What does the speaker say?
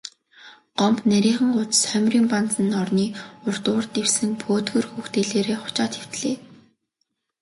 Гомбо нарийхан гудас хоймрын банзан орны урдуур дэвсэн пөөдгөр хөх дээлээрээ хучаад хэвтлээ.